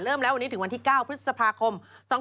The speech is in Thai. แล้ววันนี้ถึงวันที่๙พฤษภาคม๒๕๖๒